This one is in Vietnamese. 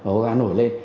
hố ga nổi lên